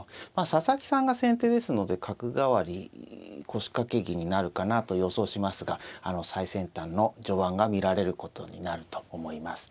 佐々木さんが先手ですので角換わり腰掛け銀になるかなと予想しますが最先端の序盤が見られることになると思います。